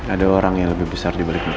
ada orang yang lebih besar dibalik mereka ya